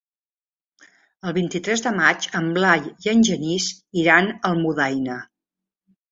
El vint-i-tres de maig en Blai i en Genís iran a Almudaina.